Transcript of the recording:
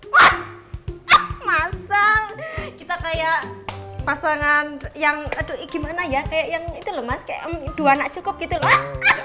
wah masal kita kayak pasangan yang aduh gimana ya kayak yang itu loh mas kayak dua anak cukup gitu loh